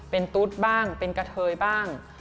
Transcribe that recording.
เป็นตุ๊ดบ้างเป็นกะเทยบ้าง